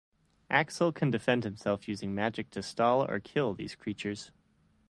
Axil can defend himself using magic to stall or kill these creatures.